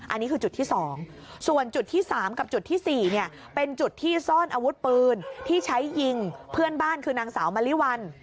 อันนี้คือจุดที่๒ส่วนจุดที่๓กับจุดที่๔เป็นจุดที่ซ่อนอาวุธปืนที่ใช้ยิงเพื่อนบ้านคือนางสาวมะลิวัล